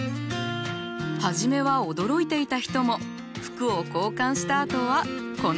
初めは驚いていた人も服を交換したあとはこの笑顔。